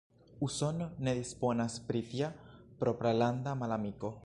Usono ne disponas pri tia propralanda malamiko.